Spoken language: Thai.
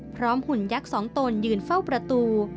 พร้อมหุ่นยักษ์สองตนยืนเฝ้าประตู